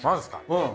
うん。